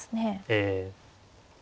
ええ。